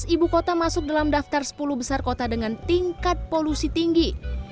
tujuh belas ibu kota masuk dalam daftar sepuluh besar kota dengan tingkat polusi tinggi